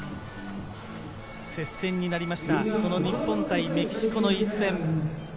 接戦になりました、日本対メキシコの一戦。